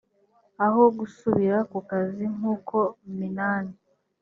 aho gusubira ku kazi nk uko minani